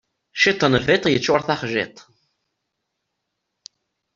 Ciṭ n biṭ yeččuṛ taxjiṭ.